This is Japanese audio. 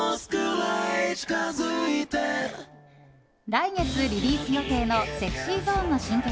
来月リリース予定のＳｅｘｙＺｏｎｅの新曲